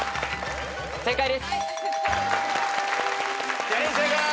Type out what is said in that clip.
正解です。